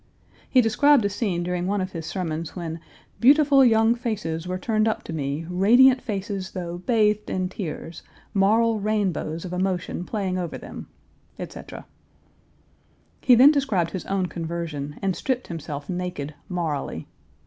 He described a scene during one of his sermons when "beautiful young faces were turned up to me, radiant faces though bathed in tears, moral rainbows of emotion playing over them," etc. He then described his own conversion, and stripped himself naked morally.